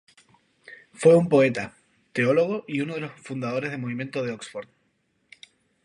Fue un poeta, teólogo y uno de los fundadores del Movimiento de Oxford.